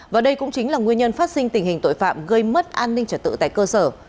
và đây cũng chính là nguyên nhân phát sinh tình hình tội phạm gây mất an ninh trật tự tại cơ sở